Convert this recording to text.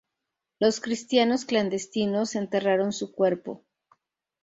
Los cristianos clandestinos enterraron su cuerpo.